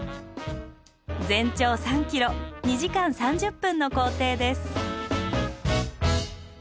全長３ｋｍ２時間３０分の行程です。